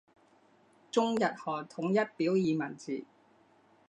中日韩统一表意文字。